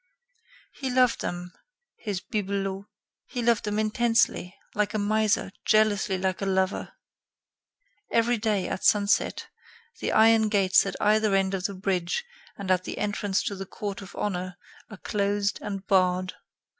He loved them his bibelots. He loved them intensely, like a miser; jealously, like a lover. Every day, at sunset, the iron gates at either end of the bridge and at the entrance to the court of honor are closed and barred.